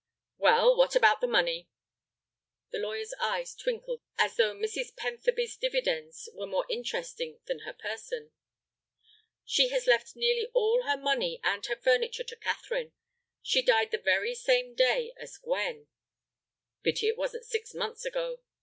"Well, what about the money?" The lawyer's eyes twinkled as though Mrs. Pentherby's dividends were more interesting than her person. "She has left nearly all her money and her furniture to Catherine. She died the very same day as Gwen." "Pity it wasn't six months ago.